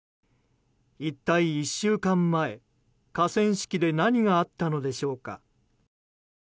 一体１週間前、河川敷で何があったのでしょうか。